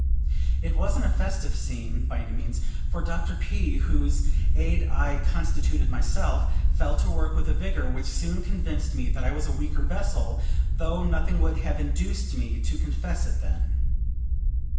It wasn't a festive scene, by any means; for Dr. P., whose Aid I constituted myself, fell to work with a vigor which soon convinced me that I was a weaker vessel, though nothing would have induced me to confess it then.